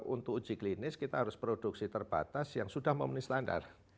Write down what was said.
untuk uji klinis kita harus produksi terbatas yang sudah memenuhi standar